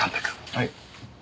はい。